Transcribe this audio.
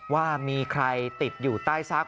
ว่ามีใครติดอยู่ใต้ซาก